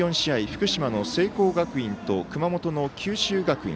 福島の聖光学院と熊本の九州学院。